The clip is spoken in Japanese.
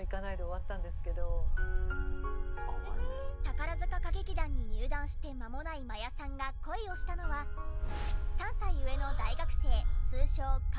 宝塚歌劇団に入団してまもない真矢さんが恋をしたのは３歳上の大学生通称カートさん。